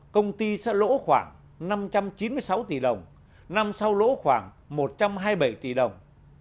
công ty sẽ lỗ khoảng năm trăm chín mươi sáu tỷ đồng năm sau lỗ khoảng một trăm hai mươi bảy tỷ đồng